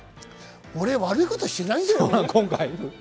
俺、悪いことしてないんだよ。